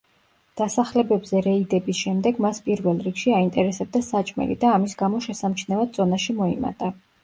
დასახლებებზე რეიდების შემდეგ მას პირველ რიგში აინტერესებდა საჭმელი და ამის გამო შესამჩნევად წონაში მოიმატა.